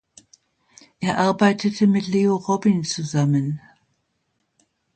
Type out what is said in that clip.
Er arbeitete mit Leo Robin zusammen.